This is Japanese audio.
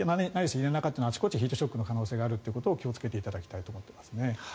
家の中というのはあちこちヒートショックの可能性があるということを気をつけていただきたいと思っていますね。